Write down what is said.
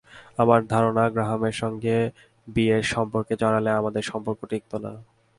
আমার ধারণা, গ্রাহামের সঙ্গে বিয়ের সম্পর্কে জড়ালে আমাদের সম্পর্ক টিকত না।